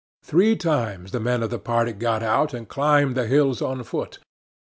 Three times the men of the party got out and climbed the hills on foot.